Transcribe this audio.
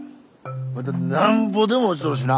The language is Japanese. まだなんぼでも落ちとるしな。